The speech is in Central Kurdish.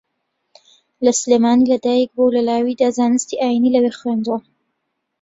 لە سلێمانی لەدایکبووە و لە لاویدا زانستی ئایینی لەوێ خوێندووە